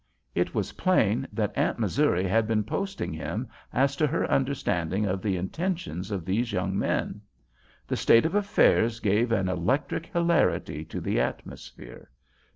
It was plain that Aunt Missouri had been posting him as to her understanding of the intentions of these young men. The state of affairs gave an electric hilarity to the atmosphere.